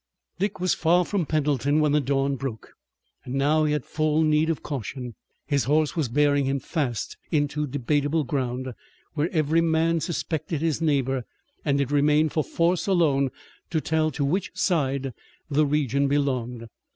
Dick was far from Pendleton when the dawn broke, and now he had full need of caution. His horse was bearing him fast into debatable ground, where every man suspected his neighbor, and it remained for force alone to tell to which side the region belonged.